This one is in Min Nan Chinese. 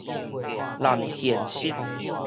濫現實